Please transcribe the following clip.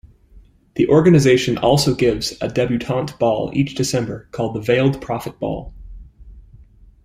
The organization also gives a debutante ball each December called the Veiled Prophet Ball.